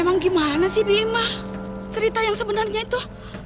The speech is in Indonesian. emang gimana sih bima cerita yang sebenarnya itu